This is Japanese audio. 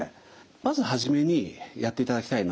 まず始めにやっていただきたいのは